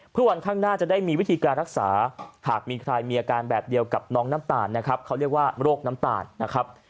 เพื่อวันข้างหน้าจะได้มีวิธีการรักษาหากมีใครมีอาการแบบเดียวกับน้องน้ำตาลนะครับเขาเรียกว่าโรคน้ำตาลนะครับ